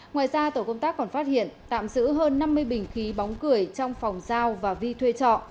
ngoài ra tổ công tác còn phát hiện tạm giữ hơn năm mươi bình khí bóng cười trong phòng giao và vi thuê trọ